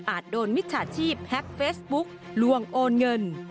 โดนมิจฉาชีพแฮ็กเฟซบุ๊กลวงโอนเงิน